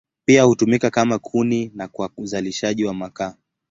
Pia hutumika kama kuni na kwa uzalishaji wa makaa.